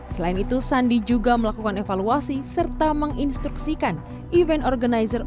selain itu sandi juga melakukan evaluasi serta menginstruksikan event organizer